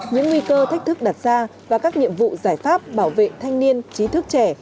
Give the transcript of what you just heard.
những nguy cơ thách thức đặt ra và các nhiệm vụ giải pháp bảo vệ thanh niên trí thức trẻ